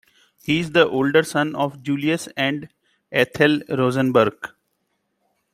He is the older son of Julius and Ethel Rosenberg.